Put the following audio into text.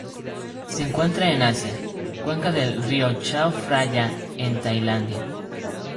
Se encuentran en Asia: cuenca del río Chao Phraya en Tailandia.